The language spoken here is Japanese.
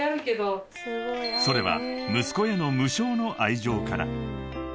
［それは息子への無償の愛情から］